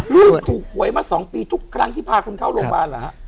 ลูกถูกหวยมา๒ปีทุกครั้งที่พาคุณเข้าโรงพยาบาลเหรอฮะ